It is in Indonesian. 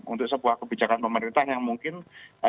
untuk sebuah kebijakan pemerintahan yang mungkin bisa